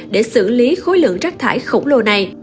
để xử lý khối lượng rác thải khổng lồ này